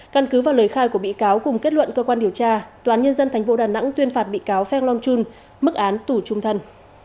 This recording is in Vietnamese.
căn cứ vào lời khai của bị cáo cùng kết luận cơ quan điều tra toán nhân dân tp đà nẵng tuyên phạt bị cáo phan long chun mức án tù trung thân